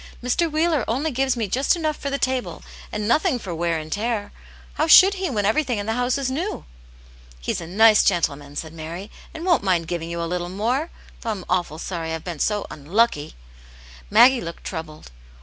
" Mr. Wheeler only gives me just enough for the table, and nothing for wear and tear ; how should he, when everything in the house is new ?" "He's a nice gentleman," said Mary, "and won't mind giving you a little more. Though I'm awful sorry I've been so unlucky." Maggie looked troubled.